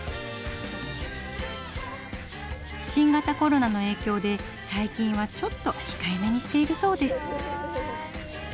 新型コロナのえいきょうで最近はちょっとひかえめにしているそうです。